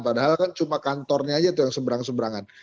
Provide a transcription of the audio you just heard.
padahal kan cuma kantornya aja tuh yang seberang seberangan